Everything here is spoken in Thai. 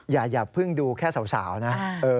อย่าเพิ่งดูแค่สาวนะ